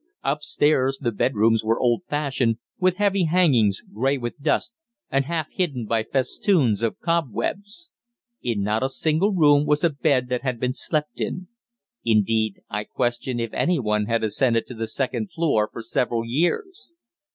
Upstairs, the bedrooms were old fashioned, with heavy hangings, grey with dust, and half hidden by festoons of cobwebs. In not a single room was a bed that had been slept in. Indeed, I question if any one had ascended to the second floor for several years!